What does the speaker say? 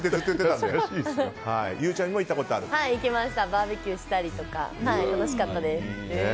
バーベキューしたりとか楽しかったです。